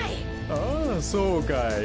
ああそうかい。